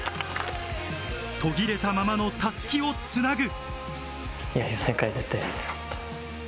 途切れたままの襷をつなぐ。